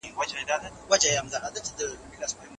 پر بچو د توتکۍ چي یې حمله کړه